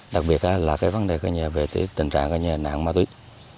đặc biệt là cái vấn đề coi như là về tình trạng coi như là nạn ma tuyết